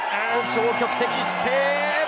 消極的姿勢。